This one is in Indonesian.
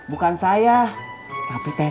bukan saya tapi teteh